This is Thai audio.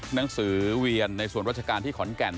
หนังสือเวียนในส่วนราชการที่ขอนแก่น